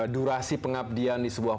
durasi pengabdian di sebuah